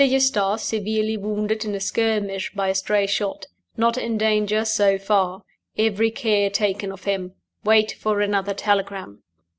Eustace severely wounded in a skirmish by a stray shot. Not in danger, so far. Every care taken of him. Wait for another telegram."